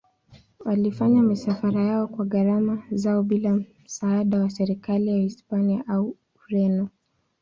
Walifanya misafara yao kwa gharama zao bila msaada wa serikali ya Hispania au Ureno.